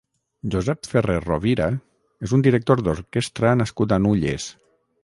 Josep Ferré Rovira és un director d'orquestra nascut a Nulles.